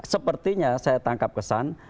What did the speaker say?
sepertinya saya tangkap kesan